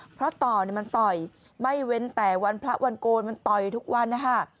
เพราะต่อมันต่อยไม่เว้นแต่วันพระวันโกนมันต่อยทุกวันนะคะ